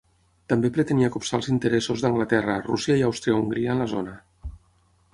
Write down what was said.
També pretenia copsar els interessos d'Anglaterra, Rússia i Àustria-Hongria en la zona.